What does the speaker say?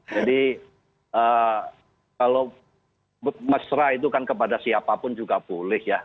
jadi kalau mesra itu kan kepada siapapun juga boleh ya